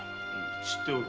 知っておる。